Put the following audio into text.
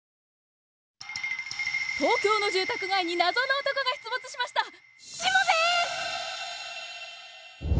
東京の住宅街に謎の男が出没しました！